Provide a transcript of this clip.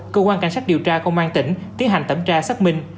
cơ quan cảnh sát điều tra công an tỉnh tiến hành tẩm tra xác minh